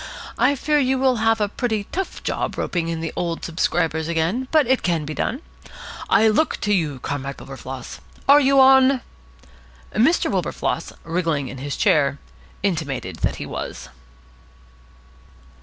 I fear you will have a pretty tough job roping in the old subscribers again, but it can be done. I look to you, Comrade Wilberfloss. Are you on?" Mr. Wilberfloss, wriggling in his chair, intimated that he was.